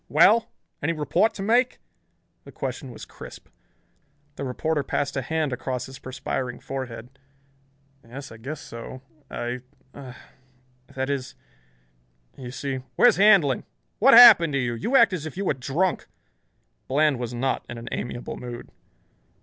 "Well! Any report to make?" The question was crisp. The reporter passed a hand across his perspiring forehead. "Yes, I guess so. I er that is you see " "Where's Handlon? What happened to you? You act as if you were drunk." Bland was not in an amiable mood.